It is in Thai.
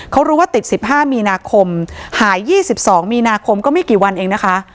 เขารู้ว่าติด๑๕มีนาคมหาย๒๒มีนาคมก็ไม่กี่วันเองนะคะ